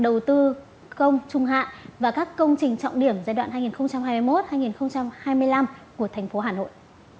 đầu tư công trung hạ và các công trình trọng điểm giai đoạn hai nghìn hai mươi một hai nghìn hai mươi năm của thành phố hà nội